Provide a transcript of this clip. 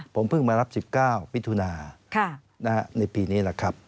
ผมเพิ่งมารับ๑๙มิถุนาในปีนี้แหละครับ